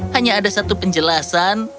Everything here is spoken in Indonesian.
hanya ada satu penjelasan